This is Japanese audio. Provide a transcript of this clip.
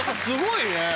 すごいね。